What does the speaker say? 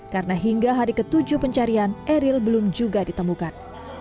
karena hingga hari ketujuh pencarian eril belum juga ditemukan